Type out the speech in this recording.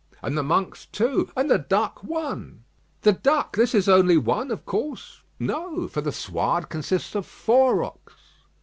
"And the Monks two." "And the Duck one." "The Duck; this is only one, of course." "No: for the Suarde consists of four rocks."